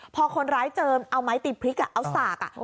พอคนร้ายเจิมเอาไม้ตีพริกเอาสาก